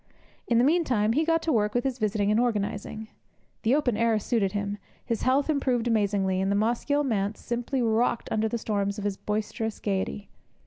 In the meantime he got to work with his visiting and organizing. The open air suited him, his health improved amazingly, and the Mosgiel Manse simply rocked under the storms of his boisterous gaiety.